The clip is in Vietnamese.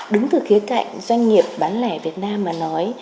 đứng từ khía cạnh doanh nghiệp bán lẻ việt nam mà nói